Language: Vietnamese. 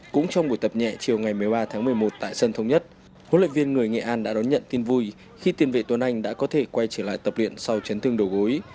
cũng trong buổi tập nhẹ chiều ngày một mươi ba tháng một mươi một tại sân thống nhất huấn luyện viên người nghệ an đã đón nhận tin vui khi tiền vệ tuấn anh đã có thể quay trở lại tập luyện sau chấn thương đồ gối